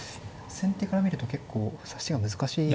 先手から見ると結構指し手が難しいですね。